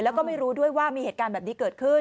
แล้วก็ไม่รู้ด้วยว่ามีเหตุการณ์แบบนี้เกิดขึ้น